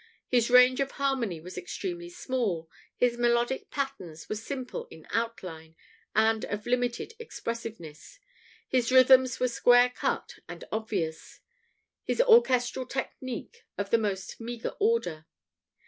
His range of harmony was extremely small, his melodic patterns were simple in outline and of limited expressiveness, his rhythms were square cut and obvious, his orchestral technique of the most meagre order.